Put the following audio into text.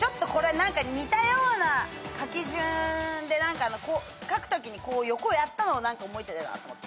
似たような書き順で書くときにこう横やったの覚えてるなと思って。